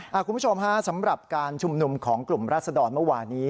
คุณผู้ชมฮะสำหรับการชุมนุมของกลุ่มราศดรเมื่อวานี้